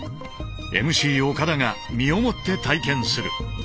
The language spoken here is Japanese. ＭＣ岡田が身をもって体験する。